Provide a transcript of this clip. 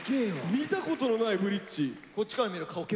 見たことのないブリッジ。